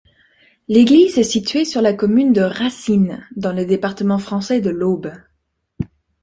L'église est située sur la commune de Racines, dans le département français de l'Aube.